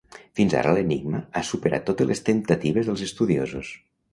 Fins ara l'enigma ha superat totes les temptatives dels estudiosos.